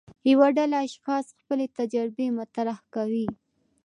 یوه ډله اشخاص خپلې تجربې مطرح کوي.